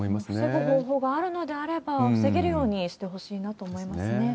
防ぐ方法があるのであれば、防げるようにしてほしいなと思いますね。